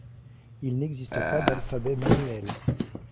Il n'existe pas d'alphabet manuel.